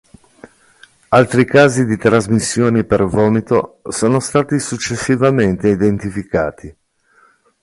Altri casi di trasmissione per vomito sono stati successivamente identificati.